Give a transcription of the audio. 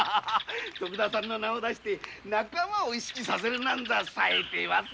徳田さんの名を出して仲間を意識させるなんぞはさえてますね